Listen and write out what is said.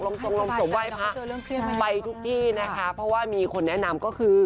ทรงลงสมไหว้พระไปทุกที่นะคะเพราะว่ามีคนแนะนำก็คือ